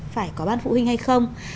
phải có ban phụ huynh hay không